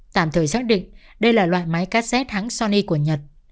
tạm thời xác định đây là loại máy cassette hãng sony của nhật